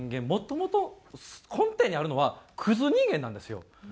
もともと根底にあるのはクズ人間なんですよ。